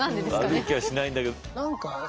悪い気はしないんだけど。